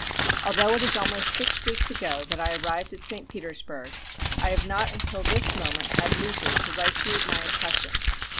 Although it is almost six weeks ago that I arrived at St. Petersburg, I have not until this moment had leisure to write you my impressions.